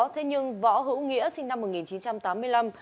thế nhưng võ hữu nghĩa sinh năm một nghìn chín trăm một mươi sáu